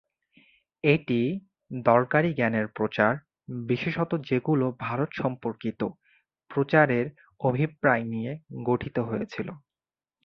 এটি "দরকারী জ্ঞানের প্রচার, বিশেষত যেগুলো ভারত সম্পর্কিত" প্রচারের অভিপ্রায় নিয়ে গঠিত হয়েছিল।